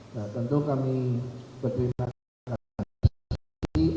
nah tentu kami berterima kasih